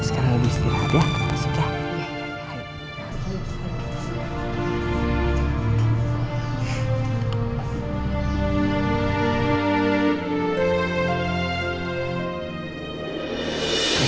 sekarang lagi istirahat ya